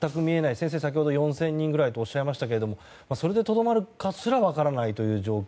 先生は先ほど４０００人ぐらいとおっしゃいましたけれどもそれで留まるかすら分からない状況。